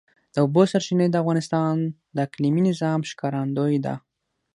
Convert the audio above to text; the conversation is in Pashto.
د اوبو سرچینې د افغانستان د اقلیمي نظام ښکارندوی ده.